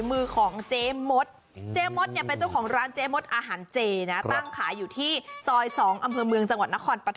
คือเขาเรียกว่า